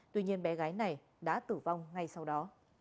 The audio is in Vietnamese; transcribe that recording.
tuy nhiên bé gái này đã tử vong ngay sau đó